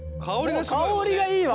香りがいいわ。